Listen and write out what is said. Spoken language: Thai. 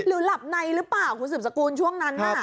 หรือหลับในหรือเปล่าคุณสืบสกูลช่วงนั้น